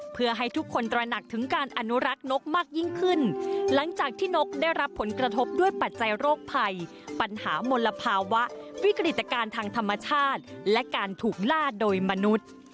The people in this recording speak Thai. เพื่อให้ทุกคนตระหนักถึงการอนุรักษ์นกมากยิ่งขึ้นหลังจากที่นกได้รับผลกระทบด้วยปัจจัยโรคภัยปัญหามลภาวะวิกฤตการณ์ทางธรรมชาติและการถูกล่าโดยมนุษย์